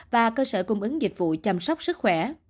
và cơ sở cung ứng dịch vụ chăm sóc sức khỏe